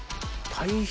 大変。